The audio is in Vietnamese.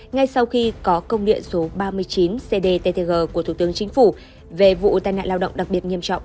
ngay sau khi có công điện số ba mươi chín cdttg của thủ tướng chính phủ về vụ tai nạn lao động đặc biệt nghiêm trọng